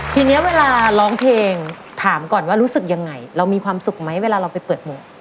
ทีนี้เวลาร้องเพลงถามก่อนว่ารู้สึกยังไงเรามีความสุขไหมเวลาเราไปเปิดหมวก